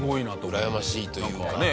うらやましいというかね。